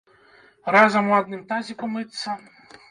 Разам у адным тазіку мыцца?